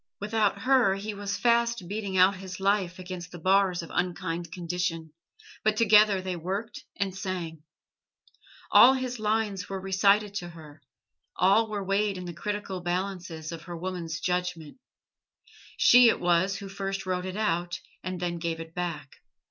Without her he was fast beating out his life against the bars of unkind condition, but together they worked and sang. All his lines were recited to her, all were weighed in the critical balances of her woman's judgment. She it was who first wrote it out, and then gave it back.